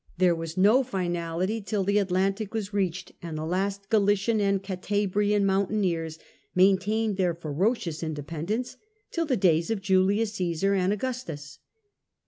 There was no finality till the Atlantic was reached, and the last Galician and Cantabrian mountaineers maintained their ferocious independence till the days of Julius Osesar and Augustus.